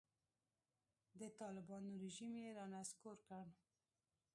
د طالبانو رژیم یې رانسکور کړ.